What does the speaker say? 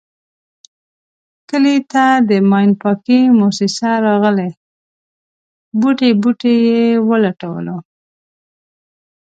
کلي ته د ماین پاکی موسیسه راغلې بوټی بوټی یې و لټولو.